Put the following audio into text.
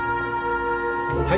はい。